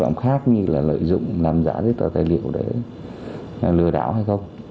hoạt động khác như là lợi dụng làm giả giấy tờ tài liệu để lừa đảo hay không